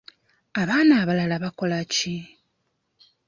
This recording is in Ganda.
Abaana abalala bakolaki?